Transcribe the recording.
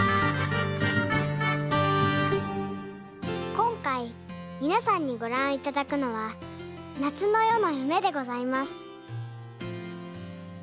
こんかいみなさんにごらんいただくのは「夏の夜の夢」でございます。